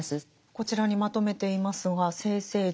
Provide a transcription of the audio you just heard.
こちらにまとめていますが「生政治」。